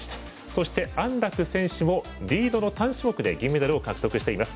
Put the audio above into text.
そして、安楽選手もリードの単種目で銀メダルを獲得しています。